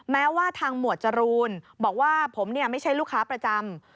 แม้ว่าทางหมวดจรูนบอกว่าผมไม่ใช่ลูกค้าประจำ